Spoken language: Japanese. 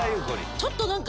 ちょっと何か。